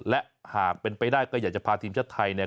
และหากเป็นไปได้ก็อยากจะพาทีมชาติไทยเนี่ย